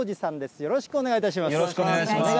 よろしくお願いします。